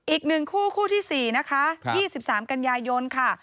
อีกหนึ่งคู่คู่ที่สี่นะคะครับยี่สิบสามกัญญายนค่ะ